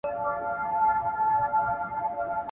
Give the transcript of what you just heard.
موږ پرون یو علمي بحث درلود.